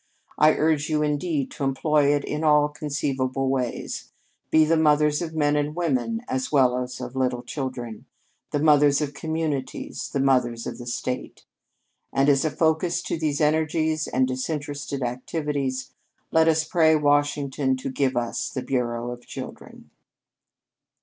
I urge you, indeed, to employ it in all conceivable ways. Be the mothers of men and women as well as of little children the mothers of communities the mothers of the state. And as a focus to these energies and disinterested activities, let us pray Washington to give us the Bureau of Children."